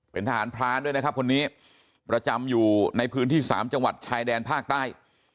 เป็นทหารพรานด้วยนะครับคนนี้ประจำอยู่ในพื้นที่๓จังหวัดชายแดนภาคใต้